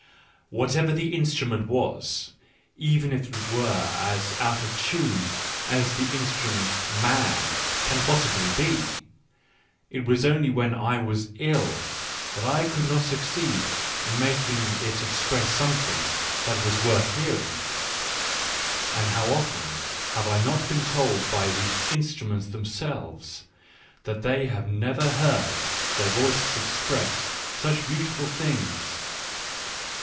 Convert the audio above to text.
Whatever the instru ment was, even if it were as out of tune as the instru Digitized by Google WHY I AM SO WISE 1 7 merit " man " can possibly be, — it was only when I was ill that I could not succeed in making it ex press something that was worth hearing. And how often have I not been told by the " instruments " themselves, that they had never before heard their voices express such beautiful things.